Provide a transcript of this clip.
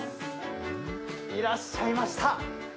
いらっしゃいました。